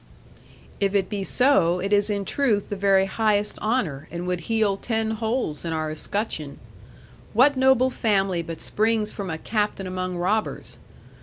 '"If it be so, it is in truth the very highest honour and would heal ten holes in our escutcheon. What noble family but springs from a captain among robbers?